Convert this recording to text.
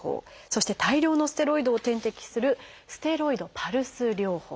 そして大量のステロイドを点滴する「ステロイドパルス療法」。